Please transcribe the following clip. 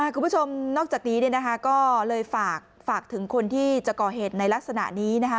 คุณผู้ชมนอกจากนี้ก็เลยฝากถึงคนที่จะก่อเหตุในลักษณะนี้นะคะ